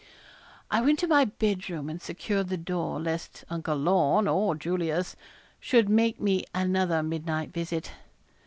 I went to my bed room, and secured the door, lest Uncle Lorne, or Julius, should make me another midnight visit.